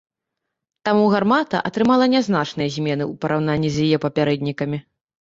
Таму гармата атрымала нязначныя змены ў параўнанні з яе папярэднікамі.